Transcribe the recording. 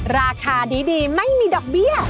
ราคาดีไม่มีดอกเบี้ย